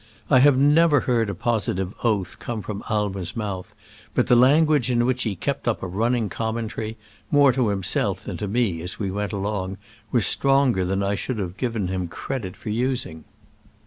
... I have never heard a positive oath come from Aimer's mouth, but the language in which he kept up a running commentary, more to himself than to me, as we went along, was stronger than I should have given him credit for using.